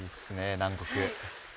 南国。